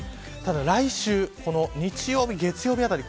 来週日曜日、月曜日あたり